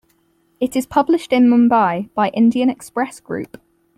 It is published in Mumbai by Indian Express Group.